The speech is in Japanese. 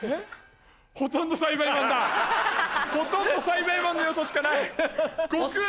ほとんど栽培マンの要素しかない。